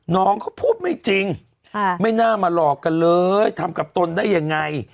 น้องเขาพูดไม่จริงไม่น่ามาหลอกกันเลยทำกับตนได้ยังไง